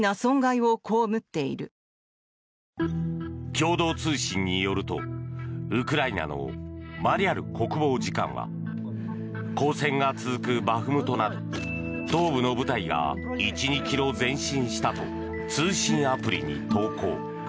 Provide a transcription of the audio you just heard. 共同通信によるとウクライナのマリャル国防次官は交戦が続くバフムトなど東部の部隊が１２ｋｍ前進したと通信アプリに投稿。